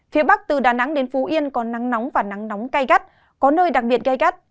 phía bắc từ đà nẵng đến phú yên có nắng nóng và nắng nóng cay gắt có nơi đặc biệt gai gắt